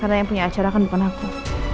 karena yang punya acara kan bukan aku